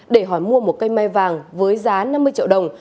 để hỏi mua một cây mai vàng với giá năm mươi triệu đồng